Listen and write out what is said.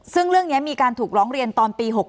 ซึ่งเรื่องนี้มีการถูกร้องเรียนตอนปี๖๒